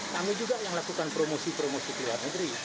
kami juga yang lakukan promosi promosi ke luar negeri